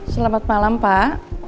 selamat malam pak